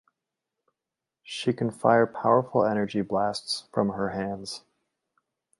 She can fire powerful energy blasts from her hands.